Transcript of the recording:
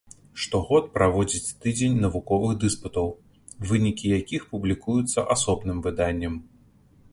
Штогод праводзіць тыдзень навуковых дыспутаў, вынікі якіх публікуюцца асобным выданнем.